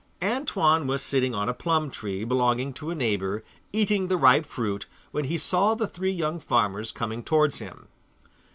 Antoine was sitting on a plum tree belonging to a neighbour, eating the ripe fruit, when he saw the three young farmers coming towards him.